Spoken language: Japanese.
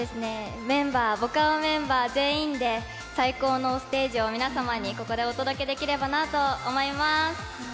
僕青メンバー全員で最高のステージを皆様にここでお届けできればなと思います！